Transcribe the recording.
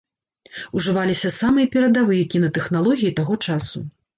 Ужываліся самыя перадавыя кінатэхналогіі таго часу.